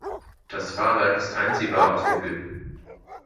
Das Fahrwerk ist einziehbar ausgeführt.